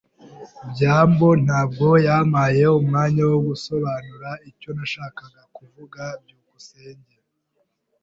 byambo ntabwo yampaye umwanya wo gusobanura icyo nashakaga kuvuga. byukusenge